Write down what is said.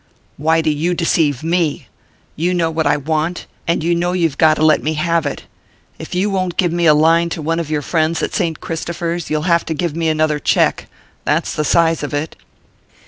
"Why do you deceive me? You know what I want and you know you've got to let me have it. If you won't give me a line to one of your friends at Saint Christopher's you'll have to give me another cheque that's the size of it."